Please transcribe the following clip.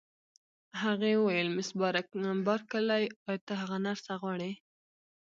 هغې وویل: مس بارکلي، ایا ته هغه نرسه غواړې؟